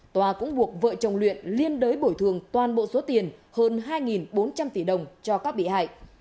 tòa cũng buộc vợ chồng luyện liên đối bồi thường toàn bộ số tiền hơn hai bốn trăm linh tỷ đồng cho các bị hại